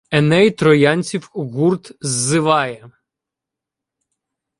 Еней троянців в гурт ззиває